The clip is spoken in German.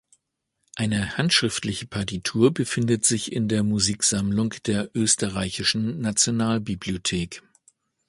Eine handschriftliche Partitur befindet sich in der Musiksammlung der Österreichischen Nationalbibliothek.